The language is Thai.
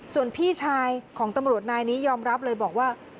ส่วนพี่ชายของตำรวจนายนี้ยอมรับเลยบอกว่า